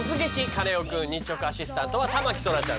カネオくん」日直アシスタントは田牧そらちゃんです。